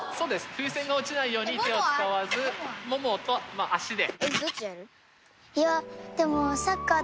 風船が落ちないように手を使わずももと足で。